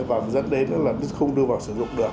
và dẫn đến là không đưa vào sử dụng được